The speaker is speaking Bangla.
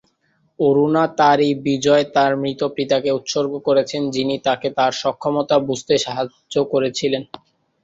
অরুণা তার এই বিজয় তার মৃত পিতাকে উৎসর্গ করেছেন, যিনি তাকে তার সক্ষমতা বুঝতে সহায়তা করেছিলেন।